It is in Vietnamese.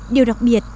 điều đặc biệt